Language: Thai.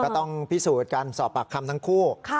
ต้องพิสูจน์การสอบปากคำทั้งคู่